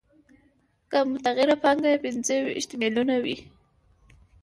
که متغیره پانګه یې پنځه ویشت میلیونه وي